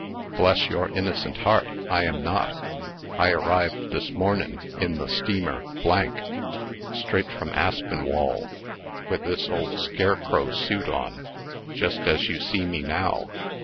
"Bless your innocent heart, I am not! I arrived this mornin', in the steamer , straight from Aspinwall, with this old scarecrow suit on, jest as you see me now.